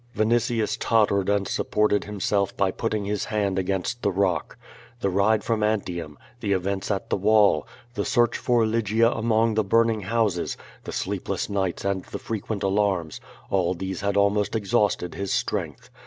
Vinitius tottered and supported himself by putting his hand against the rock. The ride from Antium, the events at the wall, the search for Lygia among the burning houses, the sleepless nights and the frequent alarms, all these had almost exhausted his strength.